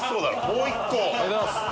もう一個ありがとうございます